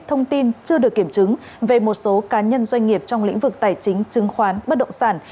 thông tin chưa được kiểm chứng về một số cá nhân doanh nghiệp trong lĩnh vực tài chính chứng khoán bất động sản